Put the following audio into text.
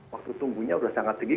waktu tunggunya sudah sangat tinggi